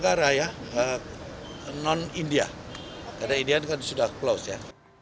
karena indian kan sudah close ya